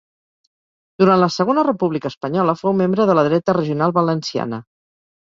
Durant la Segona República Espanyola fou membre de la Dreta Regional Valenciana.